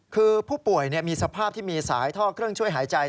คือผู้ป่วยมีสภาพที่มีสายท่อเครื่องช่วยหายใจ